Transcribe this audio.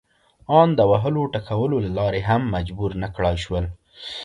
ان د وهلو ټکولو له لارې هم مجبور نه کړای شول.